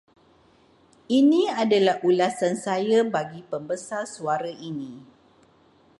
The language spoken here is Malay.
Ini adalah ulasan saya bagi pembesar suara ini.